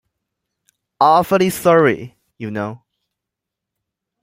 Awfully sorry, you know.